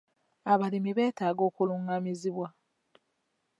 Abalimi beetaaga okulungamizibwa.